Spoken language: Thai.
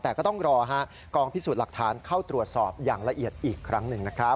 แต่ก็ต้องรอกองพิสูจน์หลักฐานเข้าตรวจสอบอย่างละเอียดอีกครั้งหนึ่งนะครับ